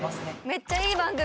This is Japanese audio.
めっちゃいい番組！